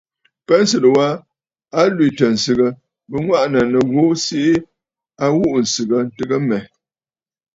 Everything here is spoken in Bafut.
Pensə̀lə̀ wa a lwìtə̀ ǹsɨgə, bɨ ŋwàʼànə̀ nɨ ghu siʼi a ghuʼu nsɨgə ntɨgə mmɛ.